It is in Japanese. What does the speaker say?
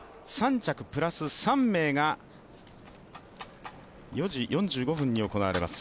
３着プラス３名が４時４５分に行われます